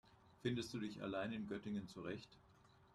Findest du dich allein in Göttingen zurecht?